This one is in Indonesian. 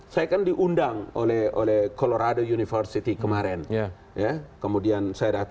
saya kan diundang oleh colorado university kemarin